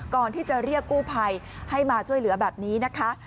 ก่อนที่จะเรียกกู้ภัยให้มาช่วยเหลือแบบนี้นะคะ